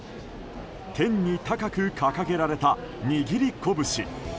天に高く掲げられた握り拳。